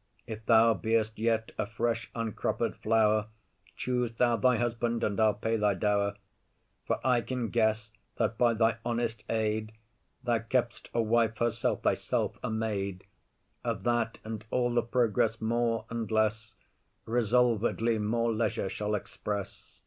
_] If thou beest yet a fresh uncropped flower, Choose thou thy husband, and I'll pay thy dower; For I can guess that by thy honest aid, Thou kept'st a wife herself, thyself a maid. Of that and all the progress more and less, Resolvedly more leisure shall express.